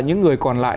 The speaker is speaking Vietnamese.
những người còn lại